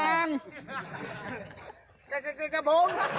เออ